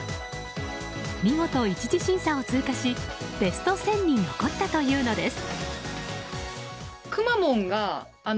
見事、１次審査を通過しベスト１０００に残ったというのです。